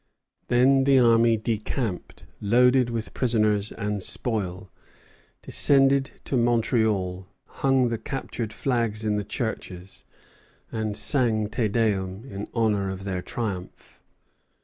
Then the army decamped, loaded with prisoners and spoil, descended to Montreal, hung the captured flags in the churches, and sang Te Deum in honor of their triumph.